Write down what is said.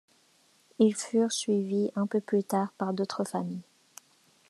Ils furent suivis un peu plus tard par d'autres familles.